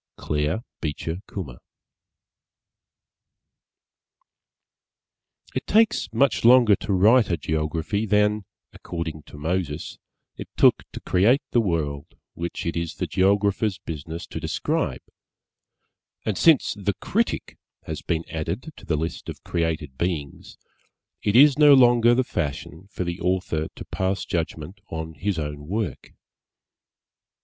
_ Claire Beecher Kummer. It takes much longer to write a Geography than, according to Moses, it took to create the World which it is the Geographer's business to describe; and since the Critic has been added to the list of created beings, it is no longer the fashion for the Author to pass judgment on his own work.